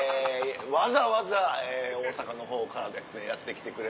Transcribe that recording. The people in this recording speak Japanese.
わざわざ大阪の方からやって来てくれました